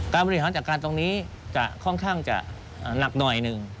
บริหารจัดการตรงนี้จะค่อนข้างจะหนักหน่อยหนึ่ง